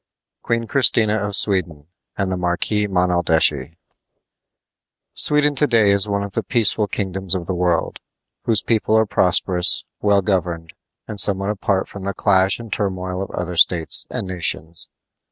QUEEN CHRISTINA OF SWEDEN AND THE MARQUIS MONALDESCHI Sweden to day is one of the peaceful kingdoms of the world, whose people are prosperous, well governed, and somewhat apart from the clash and turmoil of other states and nations.